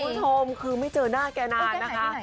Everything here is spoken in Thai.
คุณผู้ชมคือไม่เจอหน้าแกนานนะคะ